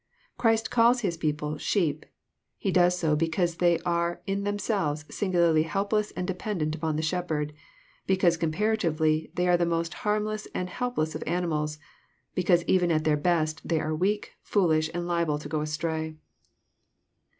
Christ calls His people '* sheep." He does so because they are in themselves singularly helpless and dependent on their Shep herd; because comparatively they are the most harmless and helpless of animals ; because even at their best they are weak, foolish, and liable to go astray.